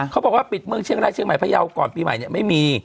เขาบอกว่าปิดเมืองเชียงรายเชียงใหม่พยาวก่อนปีใหม่เนี่ยไม่มี